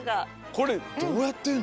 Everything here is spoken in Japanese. これどうやってるの？